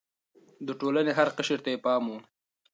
د ټولنې هر قشر ته يې پام و.